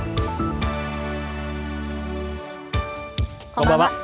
こんばんは。